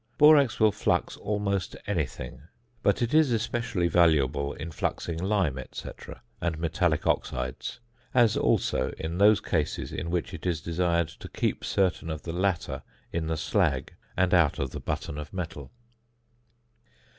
Borax will flux almost anything, but it is especially valuable in fluxing lime, &c., and metallic oxides; as also in those cases in which it is desired to keep certain of the latter in the slag and out of the button of metal.